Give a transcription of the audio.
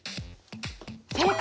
正解！